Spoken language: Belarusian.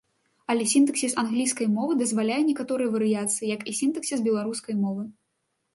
Але сінтаксіс англійскай мовы дазваляе некаторыя варыяцыі, як і сінтаксіс беларускай мовы.